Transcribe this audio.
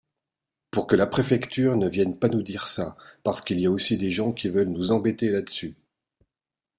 Pour que la préfecture ne viennent pas nous dire ça, parce qu’il y aussi des gens qui veulent nous embêter là-dessus.